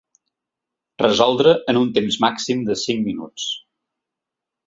Resoldre en un temps màxim de cinc minuts.